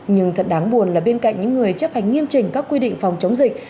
nhưng thật đáng buồn là bên cạnh những người chấp hành nghiêm trình các quy định phòng chống dịch